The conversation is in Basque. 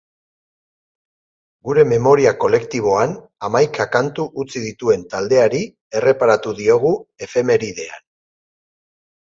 Gure memoria kolektiboan hamaika kantu utzi dituen taldeari erreparatu diogu efemeridean.